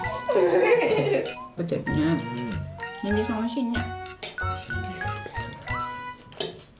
にんじんさんおいしいね。